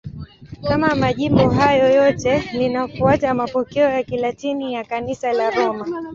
Kama majimbo hayo yote, linafuata mapokeo ya Kilatini ya Kanisa la Roma.